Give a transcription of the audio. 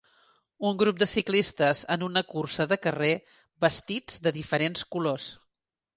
Un grup de ciclistes en una cursa de carrer vestits de diferents colors.